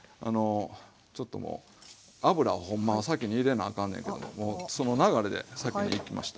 ちょっともう油をほんまは先に入れなあかんねんけどももうその流れで先にいきました。